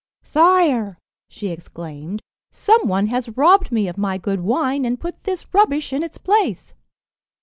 "Sire," she exclaimed, "some one has robbed me of my good wine, and put this rubbish in its place."